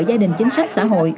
gia đình chính sách xã hội